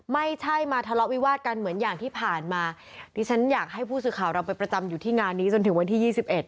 ไม่ใช่มาทะเลาะวิวาดกันเหมือนอย่างที่ผ่านมาดิฉันอยากให้ผู้สื่อข่าวเราไปประจำอยู่ที่งานนี้จนถึงวันที่ยี่สิบเอ็ด